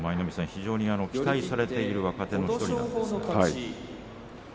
非常に期待されている若手の１人ですね。